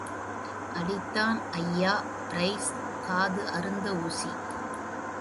அடித்தான் ஐயா பிரைஸ், காது அறுந்த ஊசி.